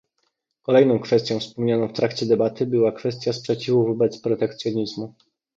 Kolejną kwestią wspomnianą w trakcie debaty była kwestia sprzeciwu wobec protekcjonizmu